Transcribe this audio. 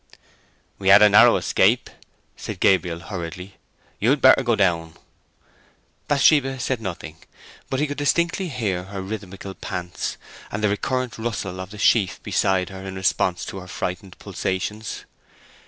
"We had a narrow escape!" said Gabriel, hurriedly. "You had better go down." Bathsheba said nothing; but he could distinctly hear her rhythmical pants, and the recurrent rustle of the sheaf beside her in response to her frightened pulsations.